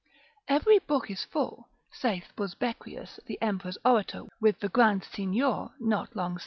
Every book is full (saith Busbequius, the emperor's orator with the Grand Signior, not long since, ep.